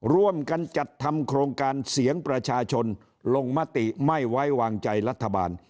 ร่วมกันจัดทำโครงการเสียงประชาชนลงมติไม่ไว้วางใจรัฐบาล